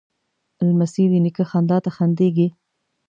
لمسی د نیکه خندا ته خندېږي.